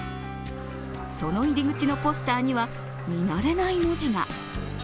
その入り口のポスターには見慣れない文字が。